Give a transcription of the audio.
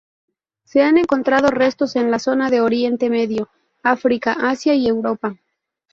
Se han encontrado restos en la zona de Oriente Medio, África, Asia y Europa.